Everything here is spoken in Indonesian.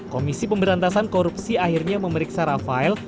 komisi pemberantasan korupsi akhirnya memeriksa rafael